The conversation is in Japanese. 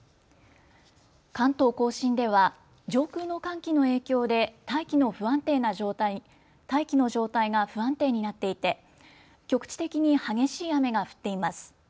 関東甲信では上空の寒気の影響で大気の状態が不安定になっていて局地的に激しい雨が降っています。